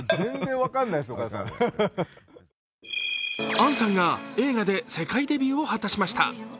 杏さんが映画で世界デビューを果たしました。